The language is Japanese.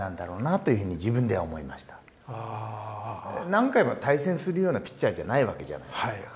何回も対戦するようなピッチャーじゃないわけじゃないですか。